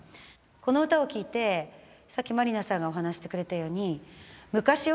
この歌を聴いてさっき万里奈さんがお話ししてくれたように昔を